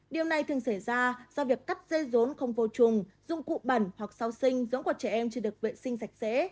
điều này thường xảy ra do việc cắt dây rốn không vô trùng dùng cụ bẩn hoặc sao sinh dưỡng của trẻ em chỉ được vệ sinh sạch sẽ